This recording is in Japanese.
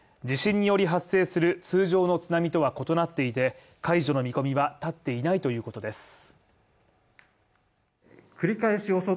地震により発生する通常の津波とは異なっていて、解除の見込みは立っていないということです。